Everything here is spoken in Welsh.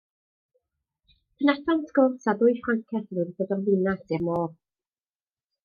Tynasom sgwrs â dwy Ffrances oedd wedi dod o'r ddinas i'r môr.